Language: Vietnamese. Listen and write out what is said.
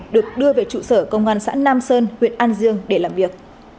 được đưa về trụ sở công an xã nam sơn huyện an dương để làm việc